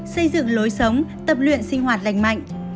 xây dựng lối sống tập luyện sinh hoạt lành mạnh